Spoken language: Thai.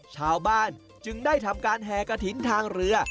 ชาวบ้านจึงได้ทำการแห่กระถิ่นทางเรือ